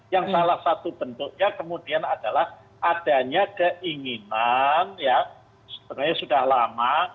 yang salah satu bentuknya kemudian adalah adanya keinginan ya sebenarnya sudah lama